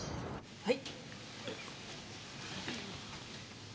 はい。